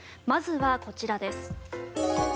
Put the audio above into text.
まずはこちらです。